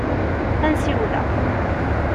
Ad n-siwleɣ.